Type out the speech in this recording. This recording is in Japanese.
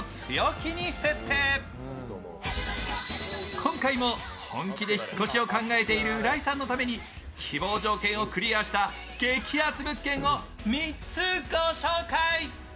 今回も本気で引っ越しを考えている浦井さんのために希望条件をクリアした激アツ物件を３つご紹介。